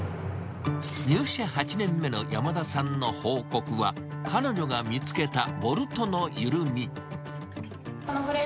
入社８年目の山田さんの報告は、彼女が見つけたボルトの緩み。